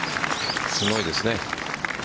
すごいです。